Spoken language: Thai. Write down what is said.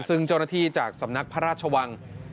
ซึ่งเจ้าหน้าที่จากสำนักพระราชวัง